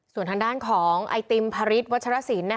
ส่วนทางด้านของไอติมพระฤทธวัชรสิน